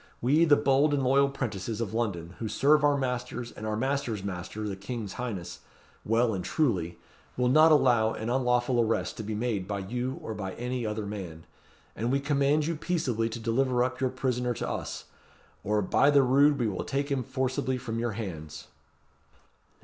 We, the bold and loyal 'prentices of London, who serve our masters and our masters' master, the king's highness, well and truly, will not allow an unlawful arrest to be made by you or by any other man. And we command you peaceably to deliver up your prisoner to us; or, by the rood! we will take him forcibly from your hands!"